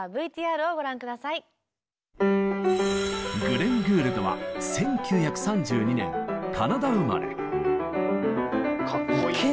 グレン・グールドは１９３２年カナダ生まれ。